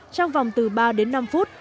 trong vòng từ ba đến năm phút